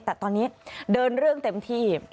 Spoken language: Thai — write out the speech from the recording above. แต่ตอนนี้เดินเรื่องเต็มที่